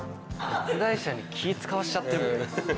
出題者に気使わせちゃってるもんね。